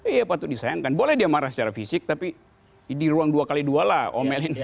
iya patut disayangkan boleh dia marah secara fisik tapi di ruang dua x dua lah omel ini